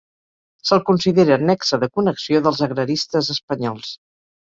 Se'l considera nexe de connexió dels agraristes espanyols.